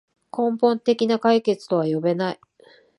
根本的な解決とは呼べない